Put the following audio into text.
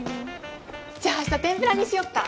じゃあ明日天ぷらにしよっか。